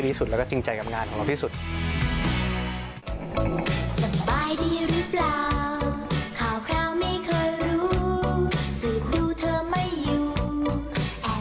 คุณผู้ชมไม่เจนเลยค่ะถ้าลูกคุณออกมาได้มั้ยคะ